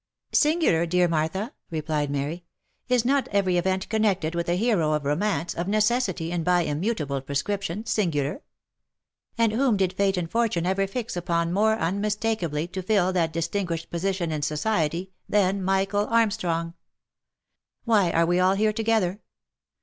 "Singular, dear Martha?" replied Mary; "is not every event connected with a hero of romance, of necessity and by immutable prescription, singular? And whom did Fate and Fortune ever fix upon more unmistakably to fill that distinguished position in society, than Michael Armstrong? Why are we all here together?